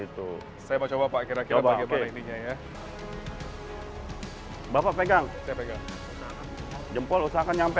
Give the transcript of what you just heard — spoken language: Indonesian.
tombol jangan dipakai lagi melt air valtana